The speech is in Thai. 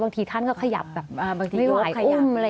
บางทีท่านก็ขยับแบบไม่ไหวอุ้ม